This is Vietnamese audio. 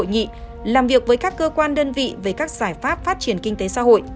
giải pháp phát triển kinh tế xã hội